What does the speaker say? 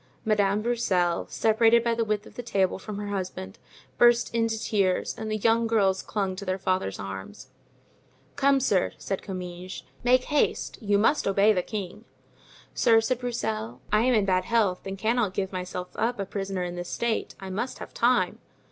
Madame Broussel, separated by the width of the table from her husband, burst into tears, and the young girls clung to their father's arms. "Come, sir," said Comminges, "make haste; you must obey the king." "Sir," said Broussel, "I am in bad health and cannot give myself up a prisoner in this state; I must have time."